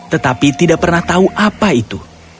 tetapi tidak pernah tahu apa itu